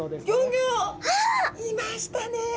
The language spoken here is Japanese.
いましたね！